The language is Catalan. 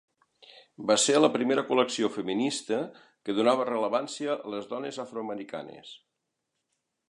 Va ser la primera col·lecció feminista que donava rellevància a les dones afroamericanes.